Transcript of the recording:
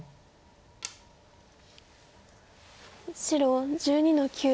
白１２の九。